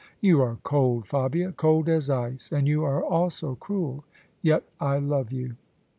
" You are cold, Fabia— cold as ice : and you are also cruel : yet I love you."